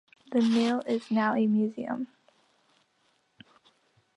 The mill is now a museum.